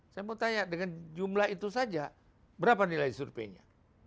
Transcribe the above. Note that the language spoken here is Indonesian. saya mau tanya dengan jumlah itu saja berapa nilai surveinya